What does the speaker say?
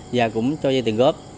và cũng cho dây tiền góp